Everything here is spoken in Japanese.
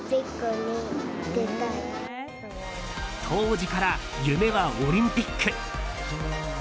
当時から、夢はオリンピック。